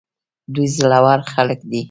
دوی زړه ور خلک دي.